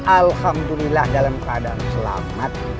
alhamdulillah dalam keadaan selamat